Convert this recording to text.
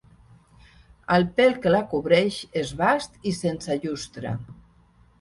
El pèl que la cobreix és bast i sense llustre.